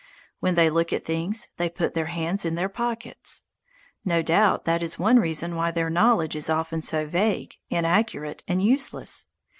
When they look at things, they put their hands in their pockets. No doubt that is one reason why their knowledge is often so vague, inaccurate, and useless.